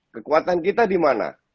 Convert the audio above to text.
kekuatan kita dimana